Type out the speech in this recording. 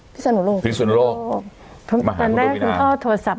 ภิกษุนโลกภิกษุนโลกไม่เลยพื้นแป๊บแล้วคุณพ่อโทรศัพท์